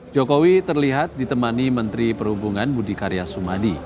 jokowi terlihat ditemani menteri perhubungan budi karya sumadi